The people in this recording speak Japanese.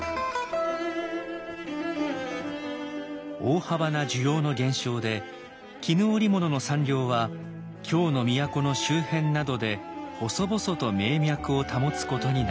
大幅な需要の減少で絹織物の産業は京の都の周辺などで細々と命脈を保つことになります。